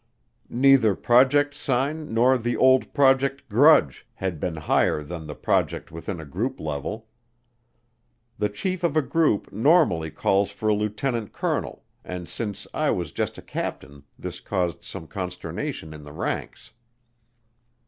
Neither Project Sign nor the old Project Grudge had been higher than the project within a group level. The chief of a group normally calls for a lieutenant colonel, and since I was just a captain this caused some consternation in the ranks.